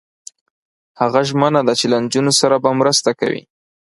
هغه ژمنه ده چې له نجونو سره به مرسته کوي.